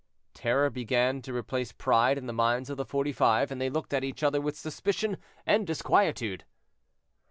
Terror began to replace pride in the minds of the Forty five, and they looked at each other with suspicion and disquietude.